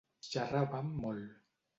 Xerràvem molt.